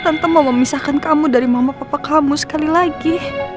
tante mau memisahkan kamu dari mama papa kamu sekali lagi